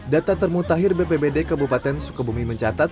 data termutahir bpbd kabupaten sukabumi mencatat